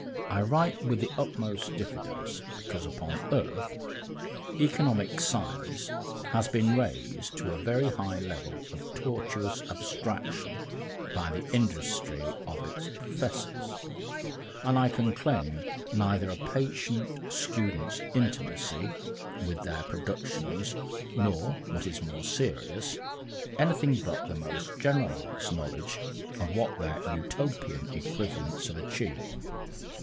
I write with the utmost diffidence, because upon earth economic science has been raised to a very high level of tortuous abstraction by the industry of its professors, and I can claim neither a patient student's intimacy with their productions nor what is more serious anything but the most generalised knowledge of what their Utopian equivalents have achieved.